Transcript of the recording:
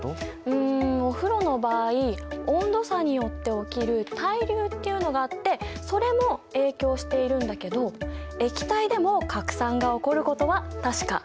うんお風呂の場合温度差によって起きる対流っていうのがあってそれも影響しているんだけど液体でも拡散が起こることは確か！